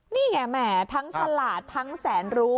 นี่ไงแหมทั้งฉลาดทั้งแสนรู้